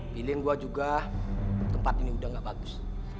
pilih yang gue juga tempat ini udah gak bagus